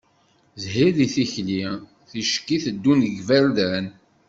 Zhir di tikli ticki teddun deg iberdan.